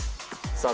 さあ